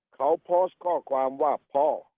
เขาโพสต์ข้อความว่าพ่อ